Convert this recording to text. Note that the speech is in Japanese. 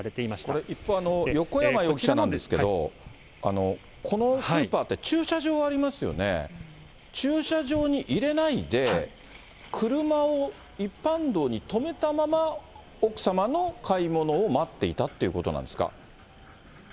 これ、一方、横山容疑者なんですけれども、このスーパーって、駐車場ありますよね、駐車場に入れないで、車を一般道に止めたまま、奥様の買い物を待っていたということなんですか？